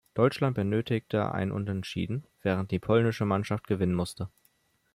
Deutschland benötigte ein Unentschieden, während die polnische Mannschaft gewinnen musste.